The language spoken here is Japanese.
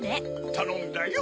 たのんだよ。